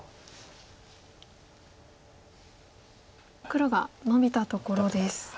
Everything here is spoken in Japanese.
黒がノビたところです。